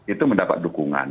itu mendapat dukungan